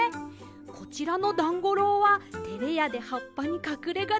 こちらのだんごろうはてれやではっぱにかくれがちです。